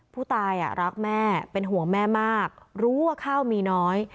ผู้ตายรักแม่เป็นห่วงแม่มากรู้ว่าข้าวมีน้อย